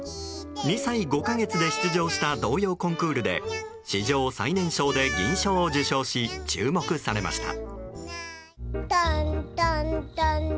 ２歳５か月で出場した童謡コンクールで史上最年少で銀賞を受賞し注目されました。